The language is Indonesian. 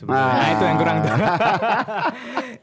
nah itu yang kurang donat